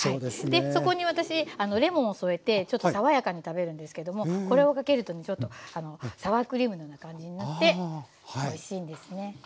でそこに私レモンを添えてちょっと爽やかに食べるんですけどもこれをかけるとちょっとあのサワークリームのような感じになっておいしいんですね。